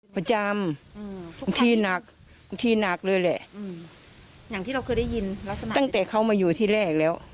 ประจำอืมที่หนักที่หนักเลยแหละอย่างที่เราเคยได้ยินลักษณะตั้งแต่เขามาอยู่ที่แรกแล้ว